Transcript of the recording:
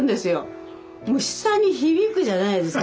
もう下に響くじゃないですか。